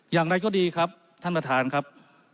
อย่างไรก็ดีครับท่านประธานครับ